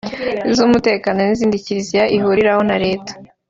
iz’umutekano n’izindi kiliziya ihuriraho na leta